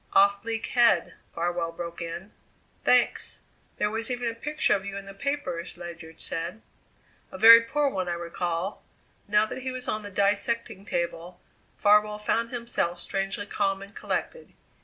"Off Bleak Head," Farwell broke in. "Thanks. There was even a picture of you in the papers," Ledyard said. "A very poor one, I recall." Now that he was on the dissecting table, Farwell found himself strangely calm and collected.